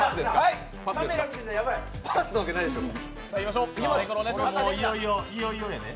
パスなわけないでしょう。